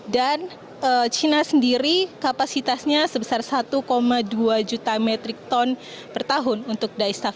dan china sendiri kapasitasnya sebesar satu dua juta metric ton per tahun untuk dyestuff